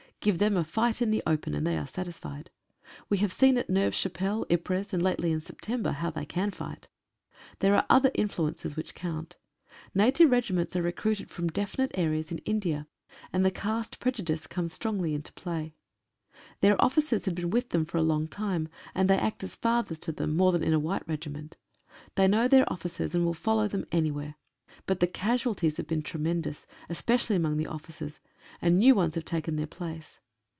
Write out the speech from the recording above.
Give them a fight in the open, and they are satisfied. We have seen at Neuve Chapelle, Ypres, and lately in September how they can fight. There are other influences which count. Native regi ments are recruited from definite areas in India, and the caste prejudice comes strongly into play. Their officers had been with them for a long time, and they act as fathers to them more than in a white regiment. They know their officers, and will follow them anywhere. But the casualties have been tremendous, especially among the officers, and new ones have taken their place.